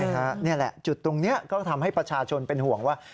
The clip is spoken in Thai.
นี่แหละจุดตรงนี้ก็ทำให้ประชาชนเป็นห่วงว่า